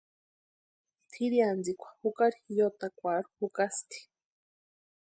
Tʼirhiantsikwa jukari yotakwarhu jukasti.